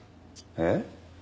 えっ？